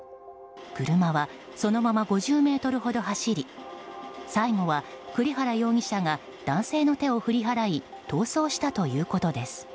車は、そのまま５０ｍほど走り最後は栗原容疑者が男性の手を振り払い逃走したということです。